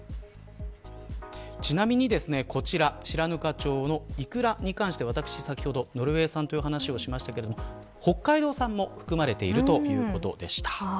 白糠町のイクラに関して先ほどノルウェー産と言いましたが北海道産も含まれているということでした。